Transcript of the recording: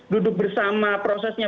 duduk bersama prosesnya